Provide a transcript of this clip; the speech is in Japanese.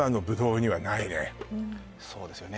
そうですよね